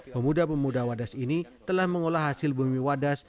pemuda pemuda wadas ini telah mengolah hasil bumi wadas